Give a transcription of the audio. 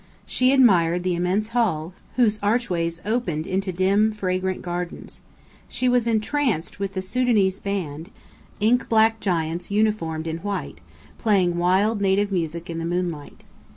She admired the immense hall, whose archways opened into dim, fragrant gardens. She was entranced with the Sudanese band, ink black giants uniformed in white, playing wild native music in the moonlight.